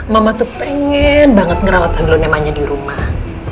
mama tuh pengen banget ngerawat handloon emaknya di rumah